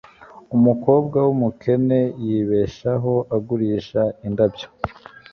Umukobwa wumukene yibeshaho agurisha indabyo